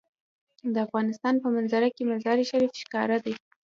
د افغانستان په منظره کې مزارشریف ښکاره ده.